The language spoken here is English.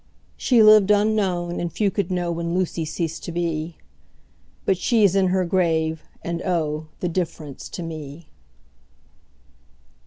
She lived unknown, and few could know When Lucy ceased to be; 10 But she is in her grave, and, oh, The difference to me!